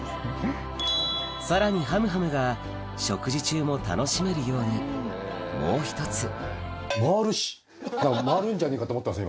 さらにはむはむが食事中も楽しめるようにもう１つ回るんじゃねえかと思ったんですよ